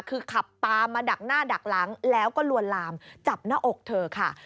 คือขับตามมาดักหน้าดักหลังแล้วก็ลวนลามจับหน้าอกเธอค่ะ